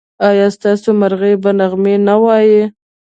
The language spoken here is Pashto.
ایا ستاسو مرغۍ به نغمې نه وايي؟